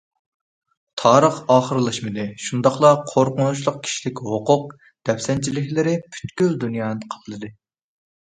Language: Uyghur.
تارىخ ئاخىرلاشمىدى شۇنداقلا قورقۇنچلۇق كىشىلىك ھوقۇق دەپسەندىچىلىكلىرى پۈتكۈل دۇنيانى قاپلىدى.